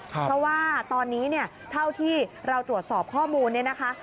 เพราะว่าตอนนี้เนี่ยเท่าที่เราตรวจสอบข้อมูลเนี่ยนะคะ